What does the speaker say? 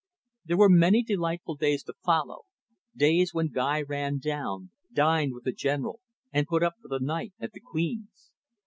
There were many delightful days to follow, days when Guy ran down, dined with the General, and put up for the night at the "Queen's."